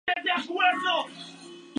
La localidad más cercana es Agua Brava.